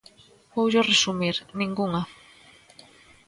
Voullo resumir: ningunha.